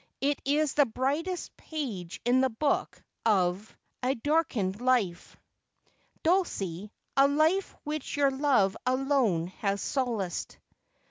It is the brightest page in the book of a darkened life, Dulcie — a life which your love alone has solaced.'